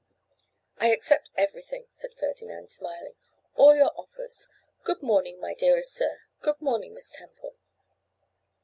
'I accept everything,' said Ferdinand, smiling; 'all your offers. Good morning, my dearest sir; good morning, Miss Temple.